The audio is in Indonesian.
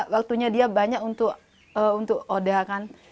waktunya dia banyak untuk oda kan